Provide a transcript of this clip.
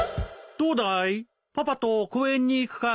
どうだいパパと公園に行くかい？